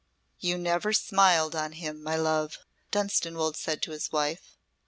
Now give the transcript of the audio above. "You never smiled on him, my love," Dunstanwolde said to his wife.